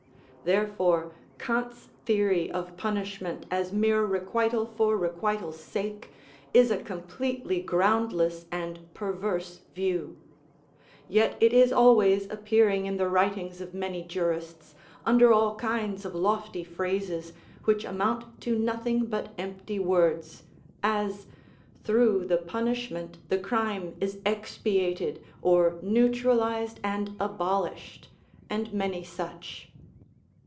Therefore Kant's theory of punishment as mere requital for requital's sake is a completely groundless and perverse view. Yet it is always appearing in the writings of many jurists, under all kinds of lofty phrases, which amount to nothing but empty words, as: Through the punishment the crime is expiated or neutralised and abolished, and many such.